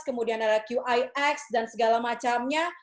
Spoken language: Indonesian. kemudian ada qix dan segala macamnya